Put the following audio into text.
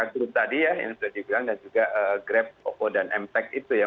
grup tadi ya yang sudah dibilang dan juga grab ovo dan empec itu ya